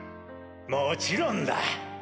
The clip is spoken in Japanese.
もちろんだ。